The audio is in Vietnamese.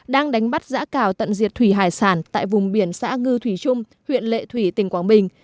đang đánh bắt giã cào tận diệt thủy hải sản tại vùng biển xã ngư thủy trung huyện lệ thủy tỉnh quảng bình